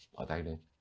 bỏ tay lên